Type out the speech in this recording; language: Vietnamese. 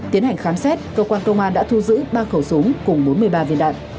tiến hành khám xét cơ quan công an đã thu giữ ba khẩu súng cùng bốn mươi ba viên đạn